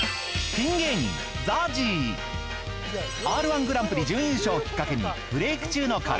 ピン芸人Ｒ−１グランプリ準優勝をきっかけにブレーク中の彼。